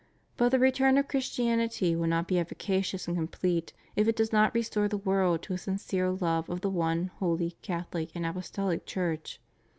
But the return of Christianity will not be efficacious and complete if it does not restore the world to a sincere love of the one Holy Catholic and Apostolic Church.